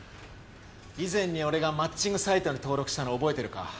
以前に俺がマッチングサイトに登録したの覚えてるか？